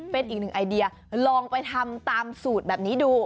เป็นอีกหนึ่งไอเดียลองไปทำตามสูตรแบบนี้ดู